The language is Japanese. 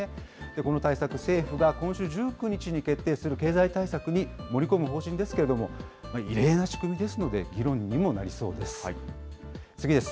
この対策、政府が今週１９日に決定する経済対策に盛り込む方針ですけれども、異例な仕組みですので、議論にもなりそうです。